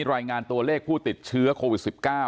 รายงานตัวเลขผู้ติดเชื้อโควิด๑๙